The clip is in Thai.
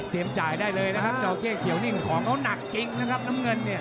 เตรียมจ่ายได้เลยนะครับเจ้าตะแค่เขียวนี่ของเขาหนักกิ้งนะครับน้ำเงินเนี่ย